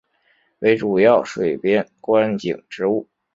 为主要水边观景植物。